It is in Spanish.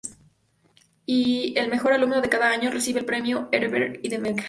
Y el mejor alumno de cada año recibe el "Premio Ehrenberg" y una beca.